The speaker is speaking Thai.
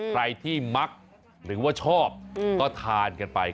ใครที่มักหรือว่าชอบก็ทานกันไป